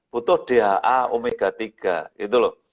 butuh dha omega tiga gitu loh